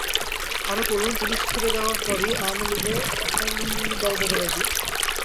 আরও পড়ুন পুলিশ ছেড়ে দেওয়ার পরই আওয়ামী লীগে এখন দল বদলের দিন